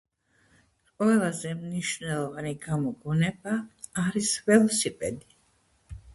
ყველაზე მნიშვნელოვანი გამოგონება არის ველოსიპედი.